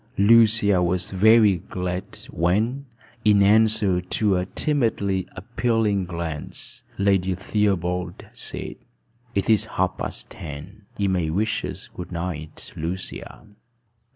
Lucia was very glad when, in answer to a timidly appealing glance, Lady Theobald said, "It is half past ten. You may wish us good night, Lucia."